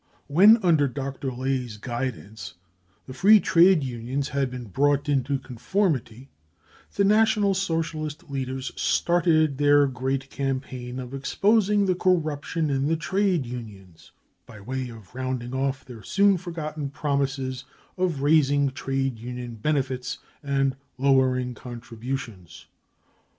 When, under Dr. Ley's guidance, the Free Trade Unions had been 44 brought into conformity," the National Socialist leaders started their great campaign of exposing the 44 corruption in the trade unions 33 by way of rounding off their soon forgotten promises of raising trade union benefits and lowering contributions.